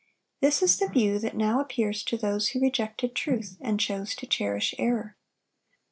This is the view that now appears to those who rejected truth and chose to cherish error.